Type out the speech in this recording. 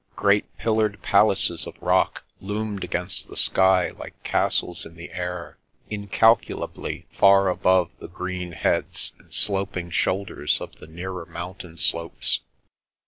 Great pillared palaces of rock loomed against the sky like castles in the air, incalculably far above the green heads and sloping shoulders of the nearer mountain slopes.